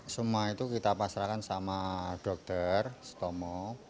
semua itu kita pasrahkan sama dokter sutomo